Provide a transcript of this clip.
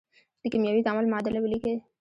د کیمیاوي تعامل معادله ولیکئ.